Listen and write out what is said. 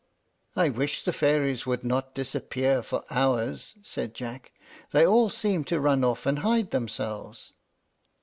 "I wish the fairies would not disappear for hours," said Jack. "They all seem to run off and hide themselves."